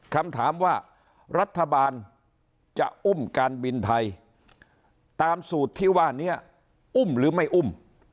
คำถามว่ารัฐบาลจะอุ้มการบินไทยตามสูตรที่ว่านี้อุ้มหรือไม่อุ้ม